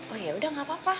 oh yaudah gak apa apa